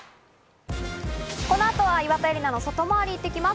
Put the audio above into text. この後は岩田絵里奈の外回り行ってきます。